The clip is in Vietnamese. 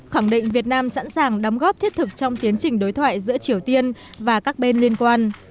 khẳng định việt nam sẵn sàng đóng góp thiết thực trong tiến trình đối thoại giữa triều tiên và các bên liên quan